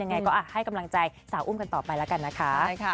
ยังไงก็ให้กำลังใจสาวอุ้มกันต่อไปแล้วกันนะคะ